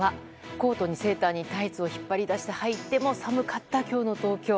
コートにセーターにタイツを引っ張り出してはいても寒かった今日の東京。